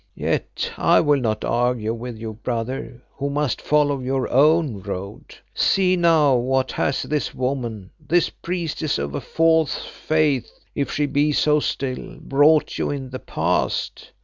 Yet I will not argue with you, brother, who must follow your own road. See now, what has this woman, this priestess of a false faith if she be so still, brought you in the past?